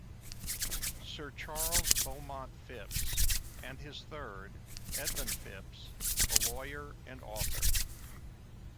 Sir Charles Beaumont Phipps and his third, Edmund Phipps, a lawyer and author.